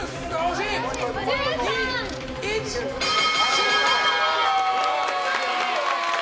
終了！